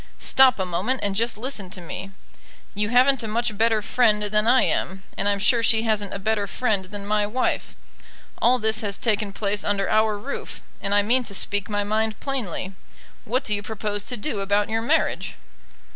Stop a moment, and just listen to me. You haven't a much better friend than I am, and I'm sure she hasn't a better friend than my wife. All this has taken place under our roof, and I mean to speak my mind plainly. What do you propose to do about your marriage?"